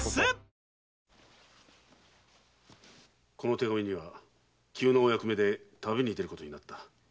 ・手紙には「急なお役目で旅に出ることになった」